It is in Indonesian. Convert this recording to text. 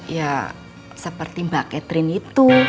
ya seperti mbak catherine itu